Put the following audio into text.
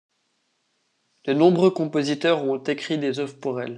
De nombreux compositeurs ont écrit des œuvres pour elle.